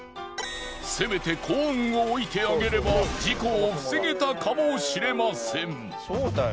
せめてコーンを置いてあげれば事故を防げたかもしれません。